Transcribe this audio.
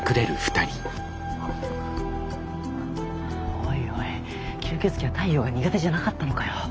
おいおい吸血鬼は太陽が苦手じゃなかったのかよ。